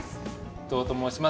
伊藤ともうします。